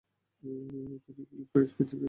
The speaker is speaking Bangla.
তিনি গিলক্রাইস্ট বৃত্তি পেয়ে বিলেত গিয়েছিলেন।